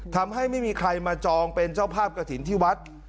ทำให้ไม่มีใครมาจองเป็นเจ้าภาพกระถิ่นที่วัด